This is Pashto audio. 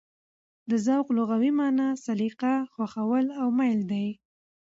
د ذوق لغوي مانا: سلیقه، خوښه او مېل ده.